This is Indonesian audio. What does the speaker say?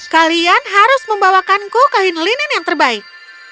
kalian harus membawakanku kain linen yang terbaik